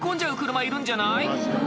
車いるんじゃない？